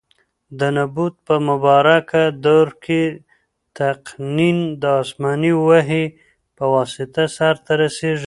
د نبوت په مبارکه دور کي تقنین د اسماني وحي په واسطه سرته رسیږي.